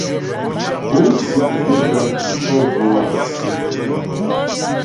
Pó syáptə́ dəŋ pə bvò a ?